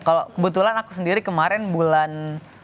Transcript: kalau kebetulan aku sendiri kemarin bulan